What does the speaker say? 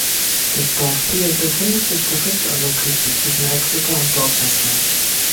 Das Dorf Beer befindet sich direkt an der Küste zwischen Exeter und Dorchester.